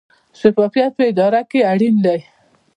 شفافیت په اداره کې اړین دی